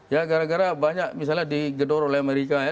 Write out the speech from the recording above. ya gara gara banyak misalnya digedor oleh amerika ya